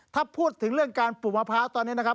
ถ้าพูดถึงเรื่องการปลูกมะพร้าวตอนนี้นะครับ